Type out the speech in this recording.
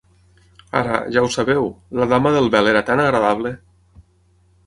"Ara, ja ho sabeu, la dama del vel era tan agradable!"